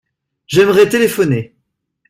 J’aimerais téléphoner.